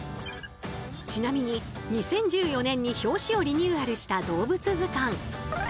ちなみに２０１４年に表紙をリニューアルした動物図鑑。